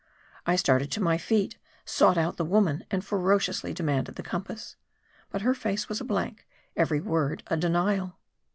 I started to my feet ; sought out the woman, and fero ciously demanded the compass. But her face was a blank ; every word a denial.